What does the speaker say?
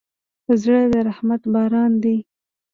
زړه د رحمت باران دی.